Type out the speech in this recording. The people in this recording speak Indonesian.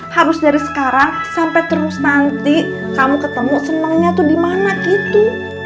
harus dari sekarang sampai terus nanti kamu ketemu senengnya tuh di mana gitu